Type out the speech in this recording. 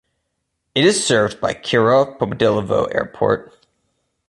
It is served by Kirov Pobedilovo airport.